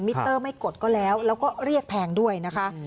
เตอร์ไม่กดก็แล้วแล้วก็เรียกแพงด้วยนะคะ